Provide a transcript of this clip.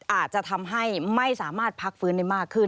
อาจจะทำให้ไม่สามารถพักฟื้นได้มากขึ้น